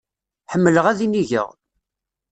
Ḥemmleɣ ad inigeɣ.